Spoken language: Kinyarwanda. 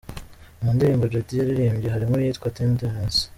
Mu ndirimbo Jody yaririmbye harimo iyitwa tenderness .